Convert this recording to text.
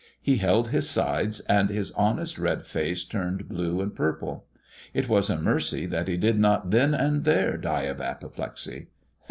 He held his sides, and his honest red face turned blue and purple. It was a mercy that he did not then and there die of apoplexy. 'Eh!'